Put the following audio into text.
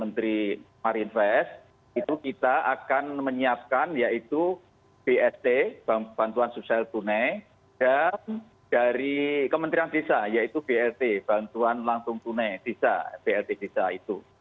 di marine fest itu kita akan menyiapkan yaitu bst bantuan sosial tunai dan dari kementerian desa yaitu bst bantuan langsung tunai bst desa itu